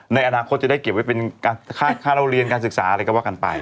ในอนาคตจะได้เก็บไว้เป็นค่าเรียนอะไรก็ว่ากันไป